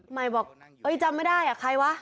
ใหม่บอกเอ้ยจำไม่ได้ใครวะ